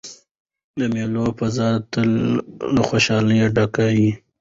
د مېلو فضا تل له خوشحالۍ ډکه يي.